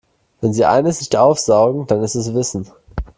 Wenn sie eines nicht aufsaugen, dann ist es Wissen.